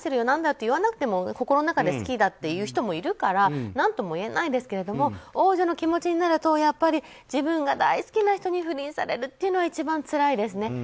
なんだって言わなくても心の中で好きだと言う人もいるから何とも言えないですけど王女の気持ちになるとやっぱり自分が大好きな人に不倫されるっていうのは一番つらいですね。